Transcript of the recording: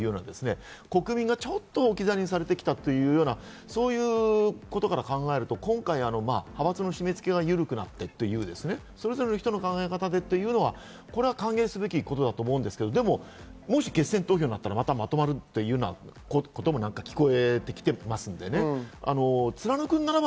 国民がちょっと置き去りにされてきたというような、そういうことから考えると、今回派閥の締め付けが緩くなって、それぞれの人の考え方でというのは歓迎すべきことだと思うんですけど、もし決選投票になったら、またまとまるというようなことも聞こえてきています。